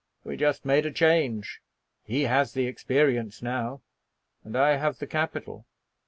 We just made a change. He has the experience now and I have the capital.'